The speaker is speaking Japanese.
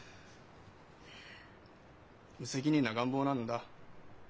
無責任な願望なんだ。